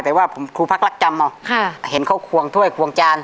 แต่ว่าผมครูพักรักจำอ่ะค่ะเห็นเขาควงถ้วยควงจาน